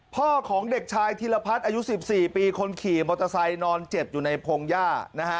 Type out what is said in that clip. พ่อของเด็กชายธีรพัฒน์อายุ๑๔ปีคนขี่มอเตอร์ไซค์นอนเจ็บอยู่ในพงหญ้านะฮะ